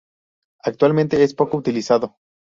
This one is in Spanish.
Actualmente es poco utilizado.